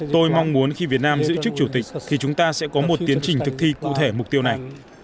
tôi mong muốn khi việt nam giữ chức chủ tịch thì chúng ta sẽ có một tiến trình thực thi cụ thể mục tiêu này